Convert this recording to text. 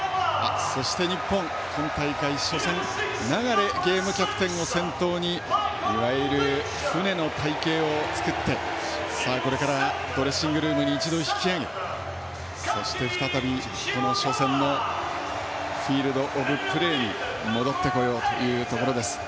そして日本、今大会初戦流ゲームキャプテンを先頭にいわゆる船の隊形を作ってこれからドレッシングルームに一度、引き揚げ、そして再び、この初戦のフィールドオブプレーに戻ってこようというところです。